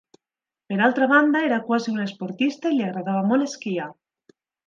Per altra banda era quasi un esportista i li agradava molt d'esquiar.